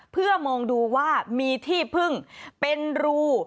เพื่อมองดูว่ามีที่พึ่งเป็นรู